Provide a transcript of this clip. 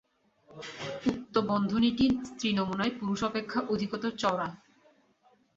উক্ত বন্ধনীটি স্ত্রী নমুনায় পুরুষ অপেক্ষা অধিকতর চওড়া।